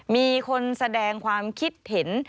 มีคนแสดงความคิดเห็น